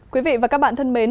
quý vị và các bạn thân mến